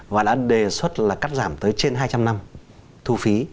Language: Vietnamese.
và đã đề xuất là cắt giảm tới trên hai trăm linh năm thu phí